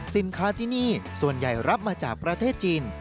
สินค้าที่นี่ส่วนใหญ่รับมาจากประเทศจีน